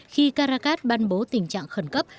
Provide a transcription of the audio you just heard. khi caracas ban bố tình trạng khẩn cấp